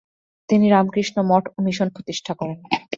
তিনি রামকৃষ্ণ মঠ ও মিশন প্রতিষ্ঠা করেন।